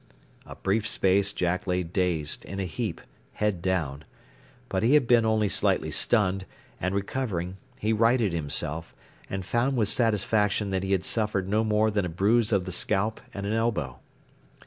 A brief space Jack lay dazed, in a heap, head down. But he had been only slightly stunned, and recovering, he righted himself, and found with satisfaction that he had suffered no more than a bruise of the scalp and an elbow.